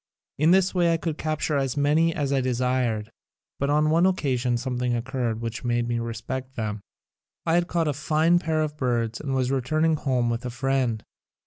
In this way I would capture as many as I desired. But on one occasion something occurred which made me respect them. I had caught a fine pair of birds and was returning home with a friend.